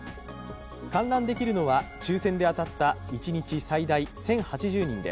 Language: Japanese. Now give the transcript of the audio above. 観覧できるのは抽選で当たった、一日最大１０８０人で